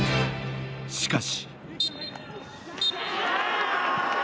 しかし。